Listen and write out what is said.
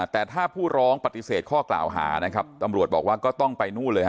แต่ถ้าผู้ร้องปฏิเสธข้อกล่าวหานะครับตำรวจบอกว่าก็ต้องไปนู่นเลยฮ